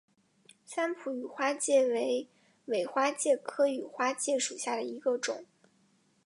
三浦羽花介为尾花介科羽花介属下的一个种。